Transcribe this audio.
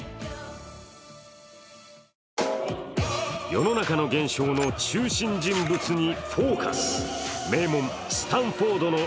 世の中の現象の中心人物に「ＦＯＣＵＳ」。